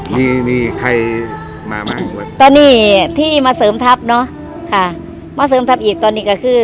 มีมีใครมาบ้างแต่นี่ที่มาเสริมทัพเนอะค่ะมาเสริมทัพอีกตอนนี้ก็คือ